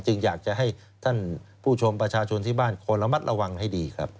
อยากจะให้ท่านผู้ชมประชาชนที่บ้านคอยระมัดระวังให้ดีครับ